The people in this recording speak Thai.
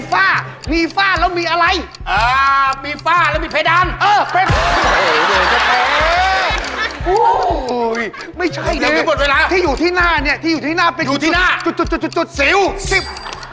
คำที่หนึ่งของคู่ที่หนึ่งเริ่ม